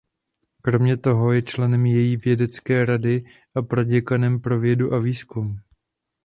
Kromě toho je členem její Vědecké rady a proděkanem pro vědu a výzkum.